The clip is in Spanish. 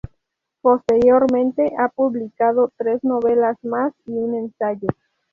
Posteriormente ha publicado tres novelas más y un ensayo.